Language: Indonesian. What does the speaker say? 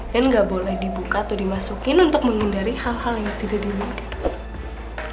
dan gak boleh dibuka atau dimasukin untuk menghindari hal hal yang tidak diinginkan